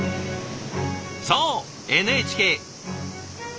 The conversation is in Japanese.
そうＮＨＫ。